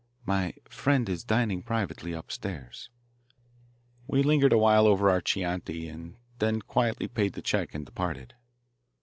My friend is dining privately upstairs." We lingered a while over our Chianti, then quietly paid the check and departed.